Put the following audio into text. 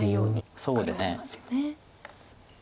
そうですね。